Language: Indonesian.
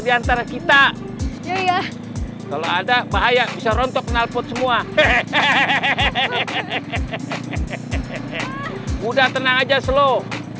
diantara kita ya ya kalau ada bahaya bisa rontok nalpot semua hehehehe udah tenang aja slow